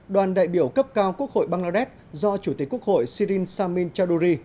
đoàn đại biểu cấp cao quốc hội bangladesh do chủ tịch quốc hội sirin samin chardori